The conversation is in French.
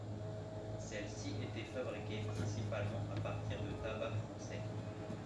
Celles-ci étaient fabriquées principalement à partir de tabac français.